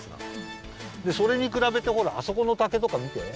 でそれにくらべてほらあそこの竹とかみて。